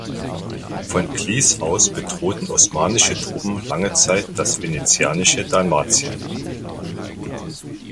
Von Klis aus bedrohten osmanische Truppen lange Zeit das venezianische Dalmatien.